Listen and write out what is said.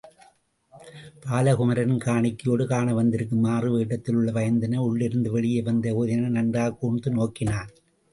பாலகுமரனின் காணிக்கையோடு காண வந்திருக்கும் மாறுவேடத்திலுள்ள வயந்தகனை உள்ளிருந்து வெளியே வந்த உதயணன் நன்றாகக் கூர்ந்து நோக்கினான்.